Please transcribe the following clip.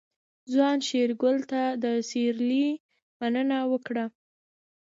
ځوان شېرګل ته د سيرلي مننه وکړه.